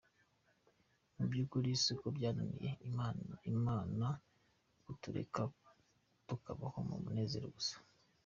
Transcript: Mu by’ukuri si uko byananiye Imana kutureka tukabaho mu munezero gusa.